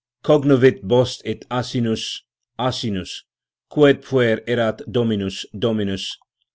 Cognovit bos et asinus, Asians, Quod Puer erat Dominus, Dominus.